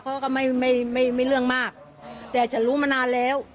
เขาก็ไม่ไม่เรื่องมากแต่ฉันรู้มานานแล้ว